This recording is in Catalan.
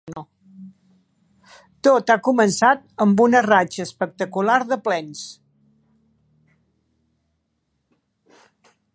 Tot ha començat amb una ratxa espectacular de plens.